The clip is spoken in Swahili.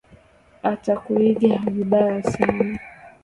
Atakuiga vibaya sana.